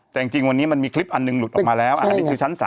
แต่จริงวันนี้มันมีคลิปอันหนึ่งหลุดออกมาแล้วอันนี้คือชั้น๓